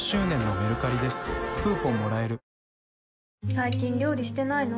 最近料理してないの？